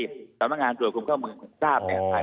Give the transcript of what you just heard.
ทางสำนักงานส่วนคุมข้ามือทราบเนี่ย